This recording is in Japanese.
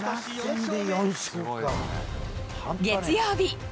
月曜日。